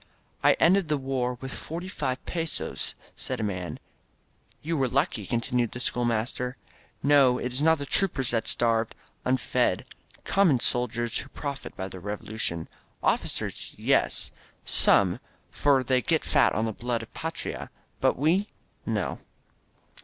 "I ended the war with forty five pesos," said a man. "You were lucky," continued the schoolmaster. "No, it is not the troopers, the starved, unfed, common sol diers who profit by the Revolucion. Officers, yes — some — for they get fat on the blood of the Fatria. But we — ^no."